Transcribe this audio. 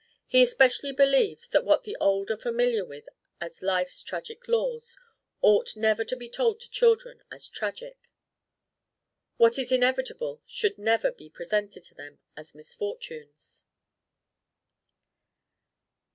He especially believed that what the old are familiar with as life's tragic laws ought never to be told to children as tragic: what is inevitable should never be presented to them as misfortunes.